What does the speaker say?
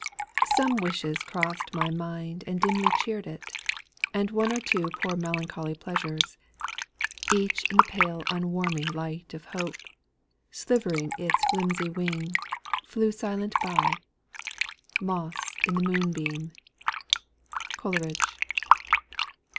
"Some wishes crossed my mind and dimly cheered it, And one or two poor melancholy pleasures, Each in the pale unwarming light of hope, Silvering its flimsy wing, flew silent by Moths in the moonbeam!" COLERIDGE.